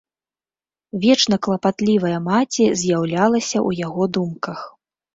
Вечна клапатлівая маці з'яўлялася ў яго думках.